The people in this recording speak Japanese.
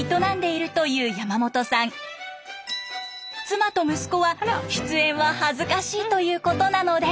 妻と息子は出演は恥ずかしいということなので。